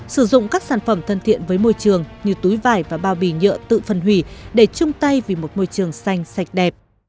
sử dụng các sản phẩm thân thiện với môi trường như túi vải và bao bì nhựa tự phân hủy để chung tay vì một môi trường xanh sạch đẹp